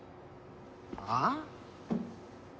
ああ？